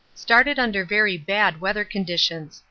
Started under very bad weather conditions.